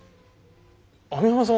網浜さん